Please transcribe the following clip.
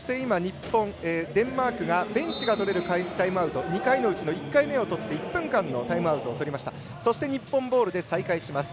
デンマークがベンチがとれるタイムアウト２回のうちの１回を取って１分間のタイムアウトをとりました。